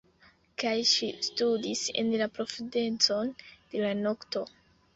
Kaj ŝi studis en la profundecon de la nokto.